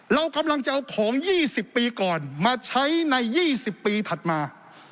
เรากำลังจะเอาของ๒๐ปีก่อนมาใช้ใน๒๐ปีถัดมา